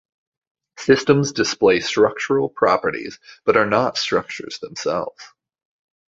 Systems display structural properties but are not structures themselves.